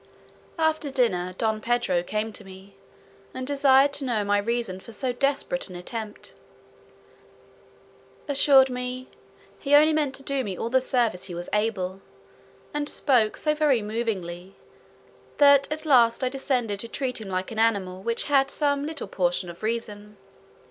After dinner, Don Pedro came to me, and desired to know my reason for so desperate an attempt; assured me, "he only meant to do me all the service he was able;" and spoke so very movingly, that at last I descended to treat him like an animal which had some little portion of reason.